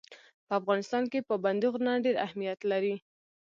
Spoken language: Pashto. په افغانستان کې پابندی غرونه ډېر اهمیت لري.